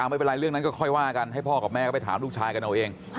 ไม่เป็นไรเรื่องนั้นก็ค่อยว่ากันให้พ่อกับแม่ก็ไปถามลูกชายกันเอาเอง